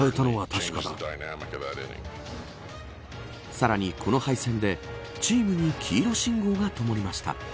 さらに、この敗戦でチームに黄色信号がともりました。